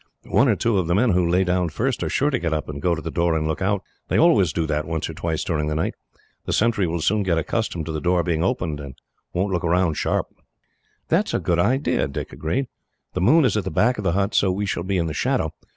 "One or two of the men, who lay down first, are sure to get up and go to the door and look out. They always do that, once or twice during the night. The sentry will soon get accustomed to the door being opened, and won't look round sharp." "That is a good idea," Dick agreed. "The moon is at the back of the hut, so we shall be in the shadow.